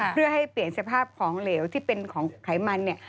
เพื่อให้เปลี่ยนสภาพของเหลวที่เป็นของไขมันเนี่ย